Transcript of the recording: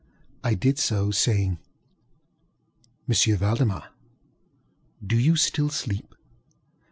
I did so, saying: ŌĆ£M. Valdemar, do you still sleep?